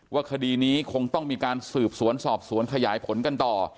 คดีนี้คงต้องมีการสืบสวนสอบสวนขยายผลกันต่อ